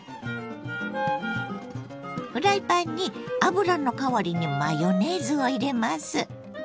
フライパンに油の代わりにマヨネーズを入れます。